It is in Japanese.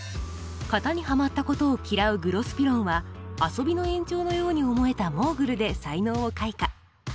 型にはまったことを嫌うグロスピロンは遊びの延長のように思えたモーグルで才能を開花。